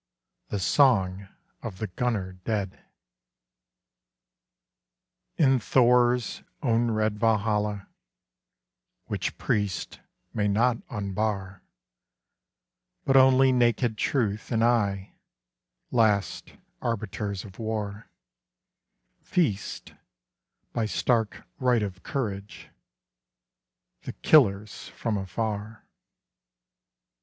THE SONG OF THE GUNNER DEAD _In Thor's own red Valhalla, Which priest may not unbar; But only Nakéd Truth and Eye, Last arbiters of War; Feast, by stark right of courage, The Killers from Afar.